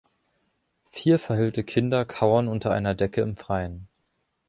Vier verhüllte Kinder kauern unter einer Decke im Freien.